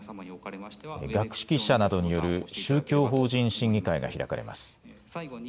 学識者などによる宗教法人審議会が開かれます。